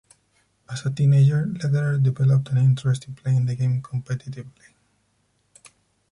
As a teenager, Lederer developed an interest in playing the game competitively.